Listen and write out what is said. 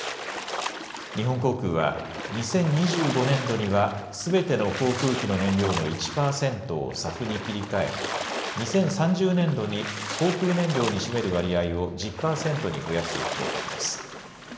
日本航空は２０２５年度にはすべての航空機の燃料の１％をＳＡＦに切り替え２０３０年度に航空燃料に占める割合を１０％に増やす計画です。